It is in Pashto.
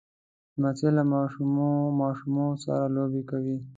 لمسی له ماشومو سره لوبې کوي.